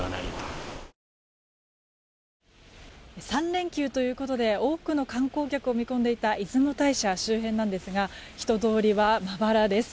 ３連休ということで多くの観光客を見込んでいた出雲大社周辺なんですが人通りはまばらです。